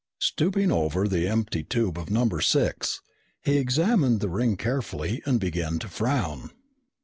Stooping over the empty tube of number six, he examined the ring carefully and began to frown.